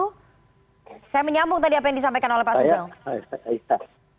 saya menyambung tadi apa yang disampaikan oleh pak sugeng